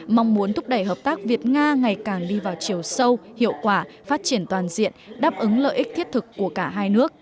mong muốn thúc đẩy hợp tác việt nga ngày càng đi vào chiều sâu hiệu quả phát triển toàn diện đáp ứng lợi ích thiết thực của cả hai nước